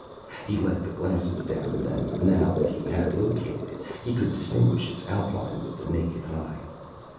He let the glasses down and now that he had located it, he could distinguish its outline with the naked eye.